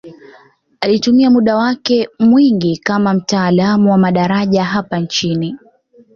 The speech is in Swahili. Alitumia muda wake mwingi kama mtaalamu wa madaraja hapa nchini